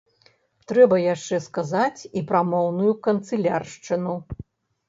Трэба яшчэ сказаць і пра моўную канцыляршчыну.